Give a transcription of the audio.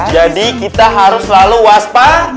jadi kita harus selalu waspa